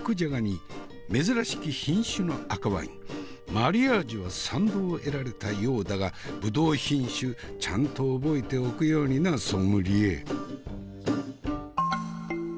マリアージュは賛同を得られたようだがブドウ品種ちゃんと覚えておくようになソムリエ。